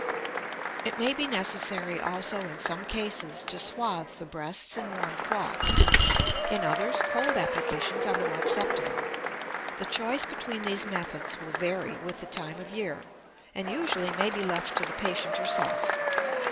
It may be necessary also in some cases to swathe the breasts in warm cloths; in others cold applications are more acceptable; the choice between these methods will vary with the time of year, and usually may be left to the patient herself.